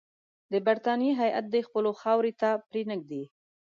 د برټانیې هیات دي خپلو خاورې ته پرې نه ږدي.